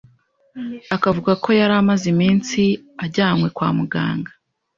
akavuga ko yari amaze iminsi ajyanywe kwa muganga